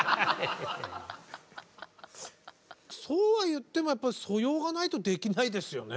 そうは言ってもやっぱり素養がないとできないですよね。